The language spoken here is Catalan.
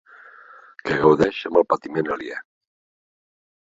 Que gaudeix amb el patiment aliè.